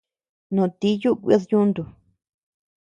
No tíyu kuid yuntu.